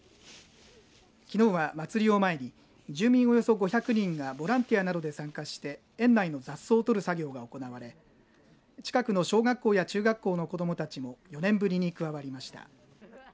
きのうは祭りを前に住民およそ５００人がボランティアなどに参加して園内の雑草取る作業が行われ近くの小学校や中学校の子どもたちも４年ぶりに加わりました。